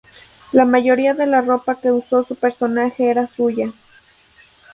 La mayoría de la ropa que usó su personaje era suya.